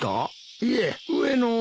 いえ上の。